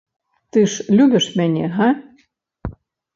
Ты ж любіш мяне, га?